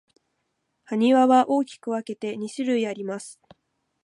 埴輪は大きく分けて二種類あります。